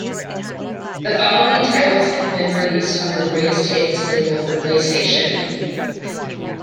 The following titles have been released on the Greatest Hits label for PlayStation.